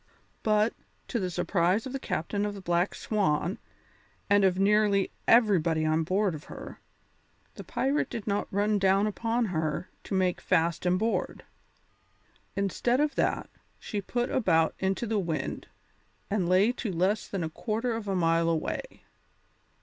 But, to the surprise of the captain of the Black Swan, and of nearly everybody on board of her, the pirate did not run down upon her to make fast and board. Instead of that, she put about into the wind and lay to less than a quarter of a mile away.